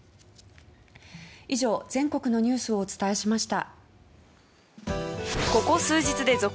以上、全国のニュースをお伝えしました。